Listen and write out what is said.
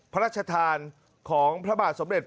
พระราชทานของพระบาทสมเด็จ